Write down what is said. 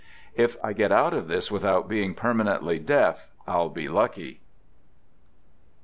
If I get out of this without being per manently deaf, I'll be lucky.